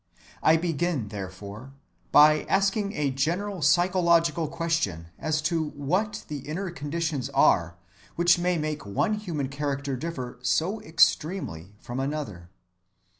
I begin, therefore, by asking a general psychological question as to what the inner conditions are which may make one human character differ so extremely from another.